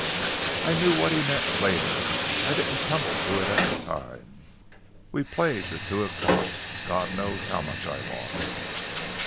"I knew what he meant later. I didn't tumble to it at the time. We played till two o'clock. God knows how much I'd lost!